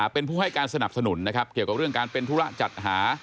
เป็นผู้ให้การสนับสนุนนะครับเกี่ยวกับเรื่องการเป็นธุระจัดหา